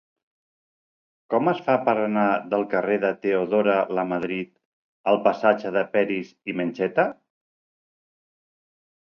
Com es fa per anar del carrer de Teodora Lamadrid al passatge de Peris i Mencheta?